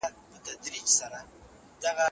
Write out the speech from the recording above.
اته سېبه پاته کېږي.